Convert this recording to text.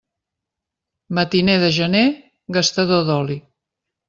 Matiner de gener, gastador d'oli.